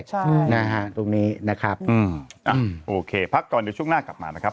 ใช่นะฮะตรงนี้นะครับอืมอ่ะโอเคพักก่อนเดี๋ยวช่วงหน้ากลับมานะครับ